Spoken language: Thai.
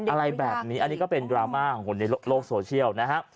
อะไรแบบนี้อันนี้ก็เป็นดราม่าของคนในโลกโซเชียลนะฮะ